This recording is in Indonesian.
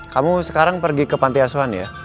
kamu sekarang pergi ke panti asuhan ya